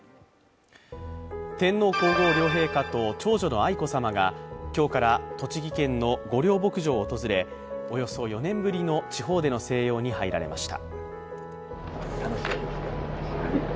天皇皇后両陛下と長女の愛子さまが今日から栃木県の御料牧場を訪れおよそ４年ぶりの地方での静養に入られました。